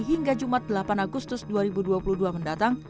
hingga jumat delapan agustus dua ribu dua puluh dua mendatang